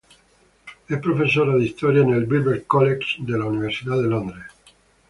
Es profesora de Historia en Birkbeck College de la Universidad de Londres.